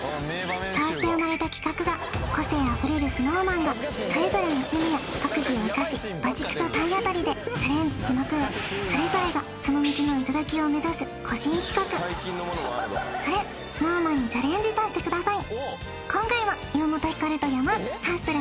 そうして生まれた企画が個性あふれるＳｎｏｗＭａｎがそれぞれの趣味や特技を生かしバチクソ体当たりでチャレンジしまくるそれぞれがその道の頂を目指す個人企画それＳｎｏｗＭａｎにチャレンジさせて下さい今回はハッスル！